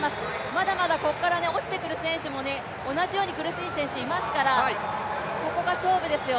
まだまだここから落ちてくる選手も同じように苦しい選手いますからここが勝負ですよ。